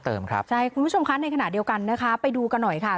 เติมครับในขณะเดียวกันนะคะไปดูกันหน่อยค่ะ